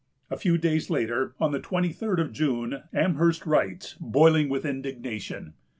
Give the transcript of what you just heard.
A few days later, on the twenty third of June, Amherst writes, boiling with indignation.